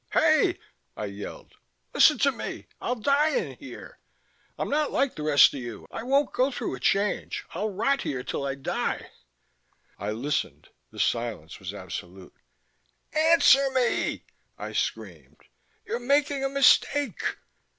"Hey!" I yelled, "listen to me! I'll die in here. I'm not like the rest of you; I won't go through a Change. I'll rot here till I die...!" I listened. The silence was absolute. "Answer me!" I screamed. "You're making a mistake...!"